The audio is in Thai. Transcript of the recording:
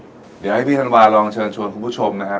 เดี๋ยวให้พี่ธันวาลองเชิญชวนคุณผู้ชมนะครับ